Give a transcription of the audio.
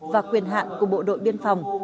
và quyền hạn của bộ đội biên phòng